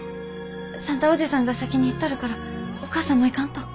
算太伯父さんが先に行っとるからお母さんも行かんと。